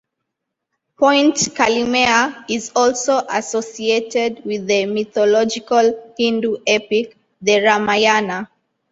Point Calimere is also associated with the mythological Hindu epic, The Ramayana.